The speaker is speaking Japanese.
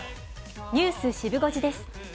ニュースシブ５時です。